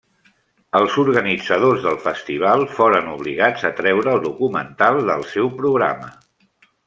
Els organitzadors del festival foren obligats a treure el documental del seu programa.